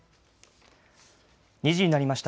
２時になりました。